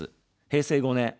平成５年。